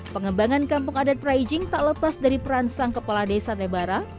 pengembangan kampung adat praijing tak lepas dari peransang kepala desa tebara